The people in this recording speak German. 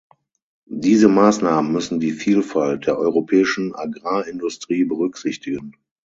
Diese Maßnahmen müssen die Vielfalt der europäischen Agrarindustrie berücksichtigen.